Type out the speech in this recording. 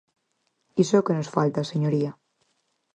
Iso é o que nos falta, señoría.